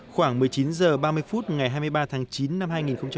khoảng một mươi chín h ba mươi phút ngày hai mươi ba tháng chín năm hai nghìn hai mươi